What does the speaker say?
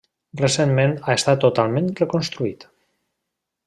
Recentment ha estat totalment reconstruït.